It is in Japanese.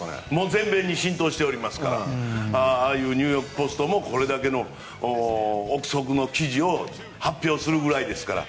全米に浸透しておりますからああいうニューヨーク・ポストもこれだけの臆測の記事を発表するくらいですから。